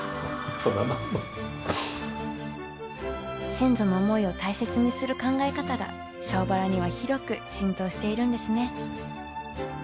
先祖の思いを大切にする考え方が庄原には広く浸透しているんですね。